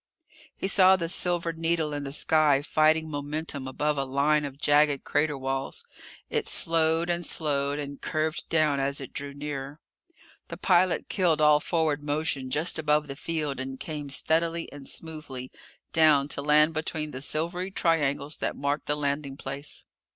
He saw the silver needle in the sky fighting momentum above a line of jagged crater walls. It slowed, and slowed, and curved down as it drew nearer. The pilot killed all forward motion just above the field and came steadily and smoothly down to land between the silvery triangles that marked the landing place.